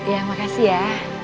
ya makasih ya